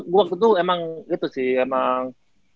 gue waktu itu emang itu sih emang